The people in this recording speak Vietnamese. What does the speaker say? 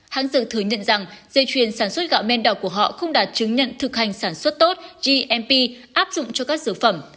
hãng dược thừa nhận rằng dây chuyền sản xuất gạo men đào của họ không đạt chứng nhận thực hành sản xuất tốt gmp áp dụng cho các dược phẩm